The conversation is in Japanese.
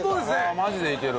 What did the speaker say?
マジでいける。